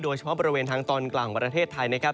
โดยเฉพาะบริเวณทางตอนกลางของประเทศไทยนะครับ